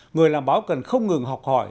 người làm báo cần không ngừng học hỏi